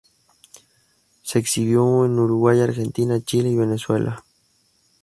Se exhibió en Uruguay, Argentina, Chile y Venezuela.